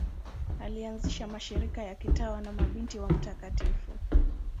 Alianzisha mashirika ya kitawa ya Mabinti wa Mt.